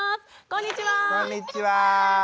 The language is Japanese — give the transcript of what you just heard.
こんにちは。